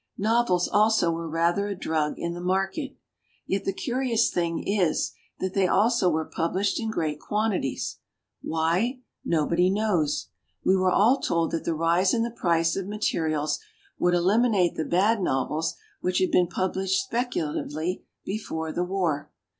Novels also were rather a drug in the market. Yet the curious thing is that they also were published in great quantities. Why, nobody knows. We 62 THE LONDONER 63 were all told that the rise in the price of materials would eliminate the bad novels which had been published speculatively before the war.